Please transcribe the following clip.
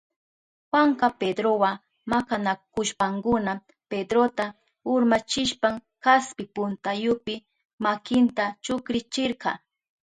Juanka Pedrowa makanakushpankuna Pedrota urmachishpan kaspi puntayupi makinta chukrichirka.